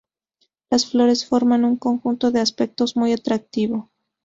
Las flores forman un conjunto de aspecto muy atractivo.